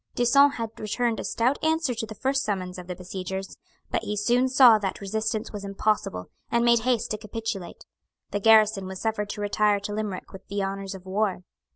D'Usson had returned a stout answer to the first summons of the besiegers; but he soon saw that resistance was impossible, and made haste to capitulate. The garrison was suffered to retire to Limerick with the honours of war.